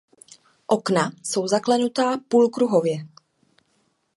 Okna jsou zaklenutá půlkruhově.